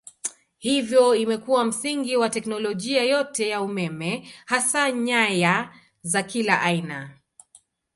Hivyo imekuwa msingi wa teknolojia yote ya umeme hasa nyaya za kila aina.